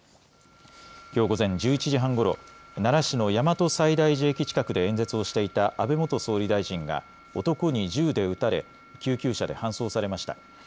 きょう午前１１時半ごろ奈良市の大和西大寺駅近くで演説をしていた安倍元総理大臣が男に銃で撃たれ救急車で搬送されました。